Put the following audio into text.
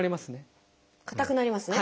かたくなりますね。